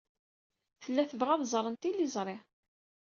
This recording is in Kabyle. Tella tebɣa ad ẓren tiliẓri.